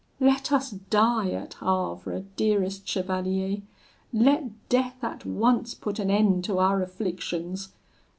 Let us die at Havre, dearest chevalier! Let death at once put an end to our afflictions!